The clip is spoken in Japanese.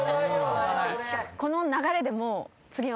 この流れでもう。